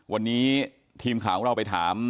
วันนี้ทีมข่าวของเราไปถาม